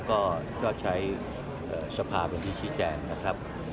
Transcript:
ก็ใช้สภาพอย่างที่ชี้แจงนะครับ